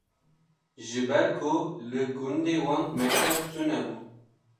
Ji ber ku li gundê wan mekteb tunebû